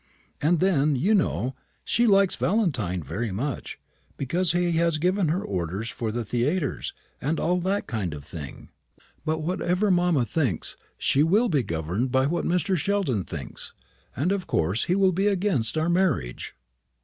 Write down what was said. And then, you know, she likes Valentine very much, because he has given her orders for the theatres, and all that kind of thing. But, whatever mamma thinks, she will be governed by what Mr. Sheldon thinks; and of course he will be against our marriage."